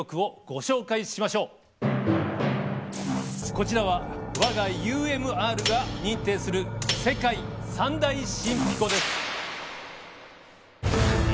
こちらは我がＵＭＲが認定する「世界三大神秘湖」です。